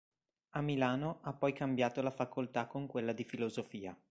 A Milano ha poi cambiato facoltà con quella di Filosofia.